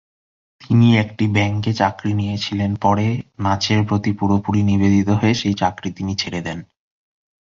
তিনি একটি ব্যাংকে চাকরি নিয়েছিলেন, পরে নাচের প্রতি পুরোপুরি নিবেদিত হয়ে সেই চাকরি তিনি ছেড়ে দেন।